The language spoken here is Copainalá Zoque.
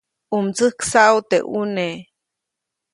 ʼU mtsäjksaʼu teʼ ʼuneʼ.